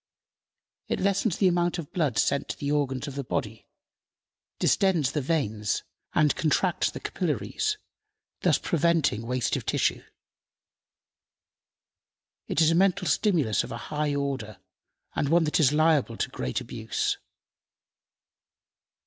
It lessens the amount of blood sent to the organs of the body, distends the veins and contracts the capillaries, thus preventing waste of tissue. It is a mental stimulus of a high order, and one that is liable to great abuse.